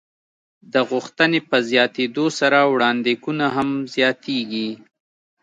د غوښتنې په زیاتېدو سره وړاندېکونه هم زیاتېږي.